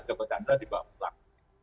joko tjandra dibawa pulang